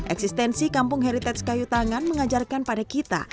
eksistensi kampung heritage kayu tangan mengajarkan pada kita